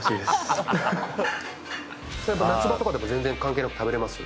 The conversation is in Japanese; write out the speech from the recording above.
やっぱ夏場とかでも、全然、関係なく食べれます？